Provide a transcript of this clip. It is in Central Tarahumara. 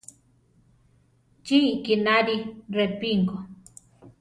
Chi ikínari Repingo.